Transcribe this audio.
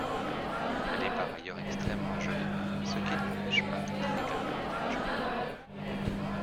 Elle est par ailleurs extrêmement jolie ce qui ne l'empêche pas d'être également intelligente.